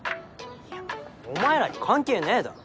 いやお前らに関係ねえだろ。